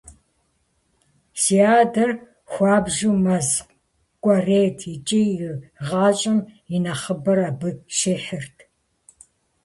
Си адэр хуабжьу мэз кӀуэрейт икӀи и гъащӀэм и нэхъыбэр абы щихьырт.